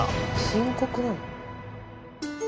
深刻なの？